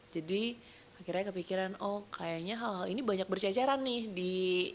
jadi akhirnya kepikiran oh kayaknya hal hal ini banyak bercecaran nih di dunia